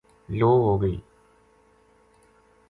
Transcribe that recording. لو ہو گئی